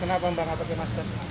kenapa mbak nggak pakai masker